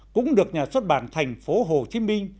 cũng được nhà xuất bản thành phố hồ chí minh